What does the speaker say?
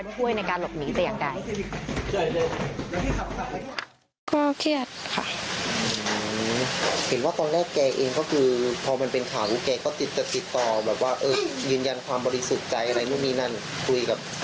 ตอนนี้หนูเป็นของบุญอะไรมั้ยคะ